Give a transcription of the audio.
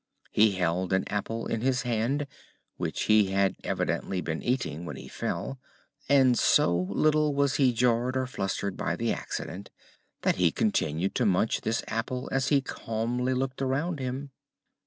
He held an apple in his hand, which he had evidently been eating when he fell, and so little was he jarred or flustered by the accident that he continued to munch this apple as he calmly looked around him.